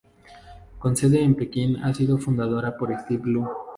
Con sede en Pekín, ha sido fundada por Steven Lu.